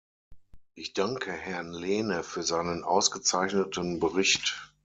Ich danke Herrn Lehne für seinen ausgezeichneten Bericht.